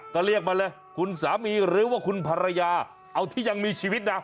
ก็เรียกมาเลยคุณสามีหรือว่าคุณภรรยาเอาที่ยังมีชีวิตนะ